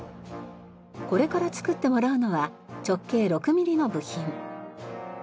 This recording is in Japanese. これから作ってもらうのは直径６ミリの部品。